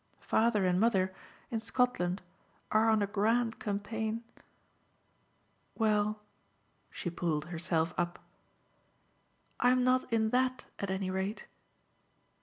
Father and mother, in Scotland, are on a grand campaign. Well" she pulled herself up "I'm not in THAT at any rate.